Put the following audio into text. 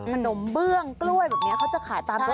ขนมเบื้องกล้วยแบบนี้เขาจะขายตามตรงที่